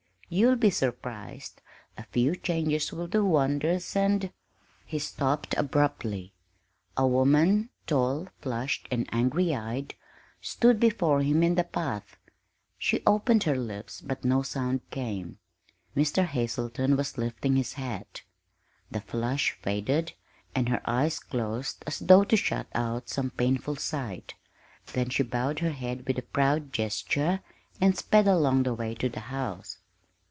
You'll be surprised a few changes will do wonders, and " He stopped abruptly. A woman, tall, flushed, and angry eyed, stood before him in the path. She opened her lips, but no sound came Mr. Hazelton was lifting his hat. The flush faded, and her eyes closed as though to shut out some painful sight; then she bowed her head with a proud gesture, and sped along the way to the house.